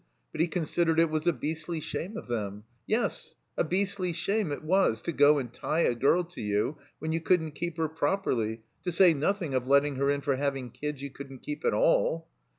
But he considered it was a beastly shame of them; yes, a beastly shame it was to go and tie a girl to you when you couldn't keep her properly, to say nothing of letting her in for having kids you coiildn't keep at all.